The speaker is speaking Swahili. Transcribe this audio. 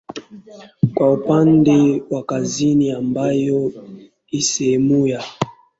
Kwa upande wa kaskazini ambayo ni sehemu ya